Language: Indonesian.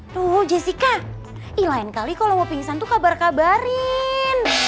tuh jessica lain kali kalo mau pingsan tuh kabar kabarin